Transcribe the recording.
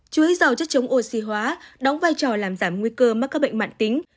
chuối giàu chất chống oxy hóa đóng vai trò làm giảm nguy cơ mắc các bệnh mạng tính